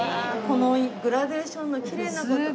このグラデーションのきれいなこと。